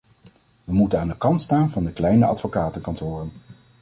We moeten aan de kant staan van de kleine advocatenkantoren.